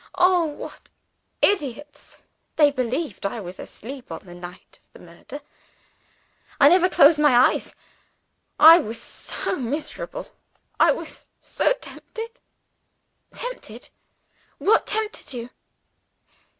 Oh, what idiots! They believed I was asleep on the night of the murder. I never closed my eyes I was so miserable, I was so tempted." "Tempted? What tempted you?"